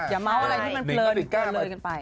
อย่าม้าวอะไรที่มันเพลิน